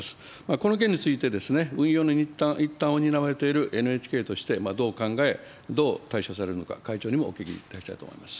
この件について、運用の一端を担われているＮＨＫとしてどう考え、どう対処されるのか、会長にもお聞きいたしたいと思います。